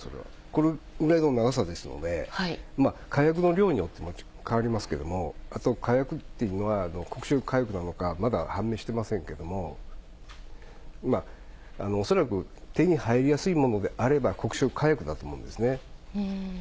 これぐらいの長さですので、火薬の量によっても変わりますけれども、火薬というのは特殊火薬なのか、まだ判明していませんけれども、恐らく手に入りやすいものであれば、黒色火薬だと思うんですね。